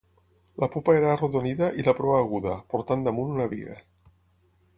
La popa era arrodonida i la proa aguda, portant damunt una biga.